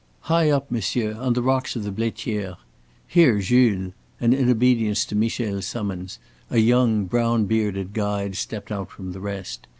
"High up, monsieur, on the rocks of the Blaitiere. Here, Jules"; and in obedience to Michel's summons, a young brown bearded guide stepped out from the rest.